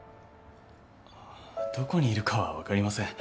どこにいるかは分かりません。